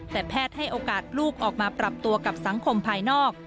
แต่แพทย์ให้โอกาสลูกออกมาปรับตัวกับสังคมภายนอก